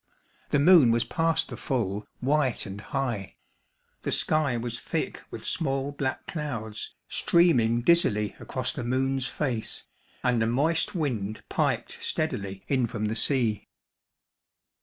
The moon was past the full, white and high; the sky was thick with small black clouds, streaming dizzily across the moon's face, and a moist wind piped steadily, in from the sea.